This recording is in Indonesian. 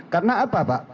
karena apa pak